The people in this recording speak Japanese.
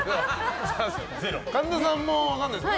神田さんも分からないですよ